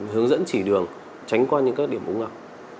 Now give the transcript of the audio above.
hướng dẫn chỉ đường tránh qua những các điểm ống ngập